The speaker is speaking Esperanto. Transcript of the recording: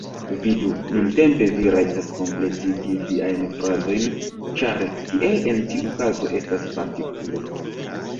Vidu, nuntempe vi rajtas kompletigi viajn frazojn, ĉar kiel en tiu kazo estas partikulo.